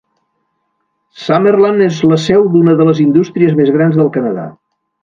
Summerland és la seu d'una de les indústries més grans del Canadà.